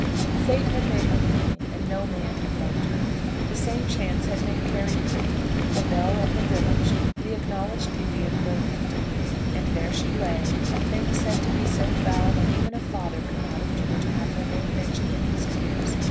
Fate had made her plain, and no man had loved her. The same chance had made Carry pretty, the belle of the village, the acknowledged beauty of Bullhampton. And there she lay, a thing said to be so foul that even a father could not endure to have her name mentioned in his ears!